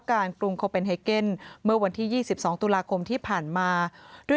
กรุงโคเป็นไฮเกนเมื่อวันที่๒๒ตุลาคมที่ผ่านมาด้วย